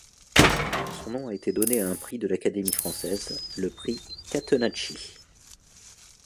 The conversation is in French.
Son nom a été donné à un Prix de l'Académie Française, le Prix Catenacci.